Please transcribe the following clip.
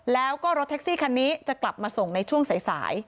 แล้วก็รถแท็กซี่คันนี้จะกลับมาส่งในช่วงสาย